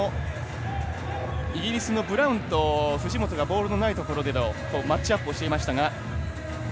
イギリスのブラウンと藤本がボールのないところでマッチアップをしていましたが。